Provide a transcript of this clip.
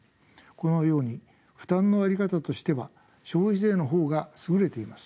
このように負担の在り方としては消費税の方が優れています。